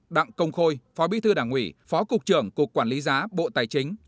đặng công khôi phó bí thư đảng ủy phó cục trưởng cục quản lý giá bộ tài chính